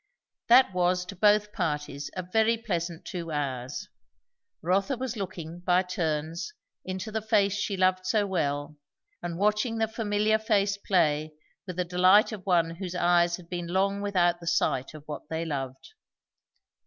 That was to both parties a very pleasant two hours. Rotha was looking, by turns, into the face she loved so well and watching the familiar face play, with the delight of one whose eyes have been long without the sight of what they loved.